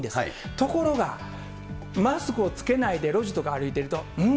ところが、マスクを着けないで路地とか歩いてると、うん？